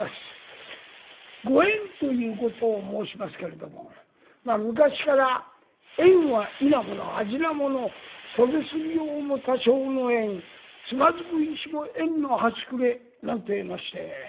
「ご縁」ということを申しますけれども昔から「縁は異なもの味なもの」「袖すり合うも多生の縁」「躓く石も縁のはしくれ」なんて言いましてね。